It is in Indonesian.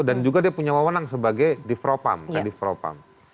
dan juga dia punya wawonang sebagai divpropam